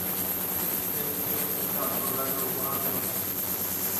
শেখকে একটা মোটর গাড়িও উপহার দিল হোমস।